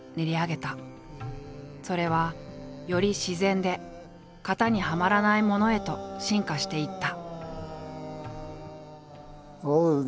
それはより自然で型にはまらないものへと進化していった。